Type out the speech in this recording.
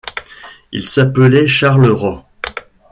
Il s'appelait Charles Roth.